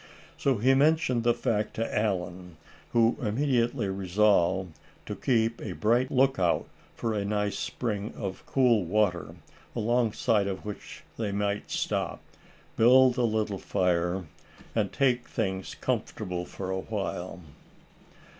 So he mentioned the fact to Allan, who immediately resolved to keep a bright lookout for a nice spring of cool water, alongside of which they might stop, build a little fire, and take things comfortable for a while.